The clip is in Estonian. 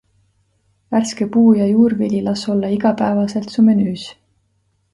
Värske puu- ja juurvili las olla igapäevaselt su menüüs.